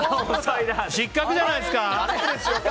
失格じゃないですか。